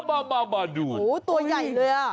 อ่ะมาโหตัวใหญ่เลยอะ